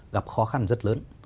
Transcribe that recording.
gặp khó khăn rất lớn